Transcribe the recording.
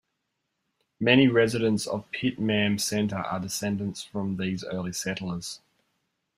Many residents of Pittman Center are descended from these early settlers.